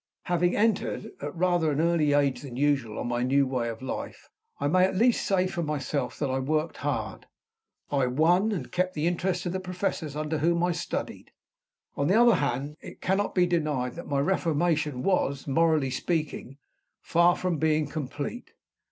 Having entered, at rather an earlier age than usual, on my new way of life, I may at least say for myself that I worked hard. I won, and kept, the interest of the professors under whom I studied. On the other hand, it cannot be denied that my reformation was, morally speaking, far from being complete.